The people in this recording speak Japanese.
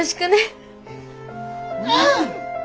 うん！